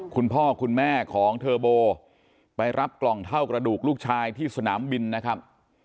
คุณพ่อคุณแม่ของเทอร์โบไปรับกล่องเท่ากระดูกลูกชายที่สนามบินนะครับ